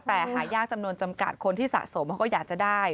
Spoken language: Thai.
แต่หายากจำนวนจำกัดคนที่สะสมเขาก็อยากจะได้